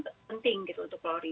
kadif propam penting gitu untuk lori